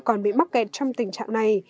còn bị mắc kẹt trong tình trạng này